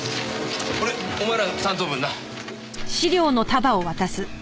これお前らの担当分な。